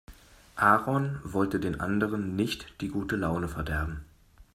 Aaron wollte den anderen nicht die gute Laune verderben.